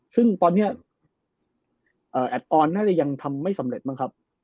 ซึ่งตอนนี้แอดออนน่าจะยังทำไม่สำเร็จบ้างครับ